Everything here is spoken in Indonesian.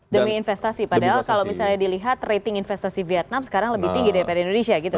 demi investasi padahal kalau misalnya dilihat rating investasi vietnam sekarang lebih tinggi daripada indonesia gitu